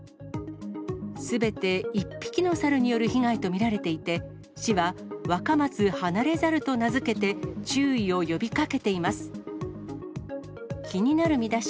すべて１匹の猿による被害と見られていて、市は若松ハナレザルと名付けて、注意を呼びかけています。